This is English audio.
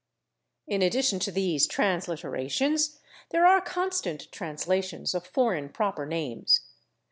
In addition to these transliterations, there are constant translations of foreign proper names.